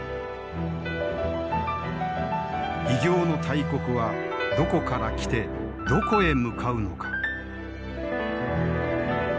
異形の大国はどこから来てどこへ向かうのか。